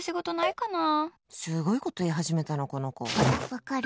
分かる。